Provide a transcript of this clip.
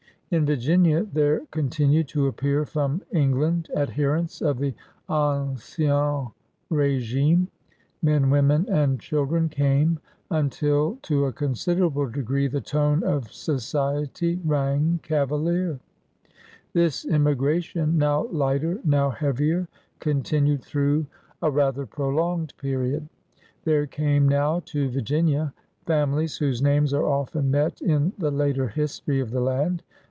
In Virginia there continued to appear from Eng land adherents of the ancien rSgime. Men, women, and children came until to a considerable degree the tone of society rang Cavalier. This inmiigra tion, now lighter, now heavier, continued through a rather prolonged period. There came now to Virginia families whose names are often met in the later history of the land.